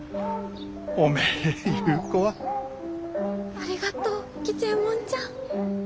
ありがとう吉右衛門ちゃん。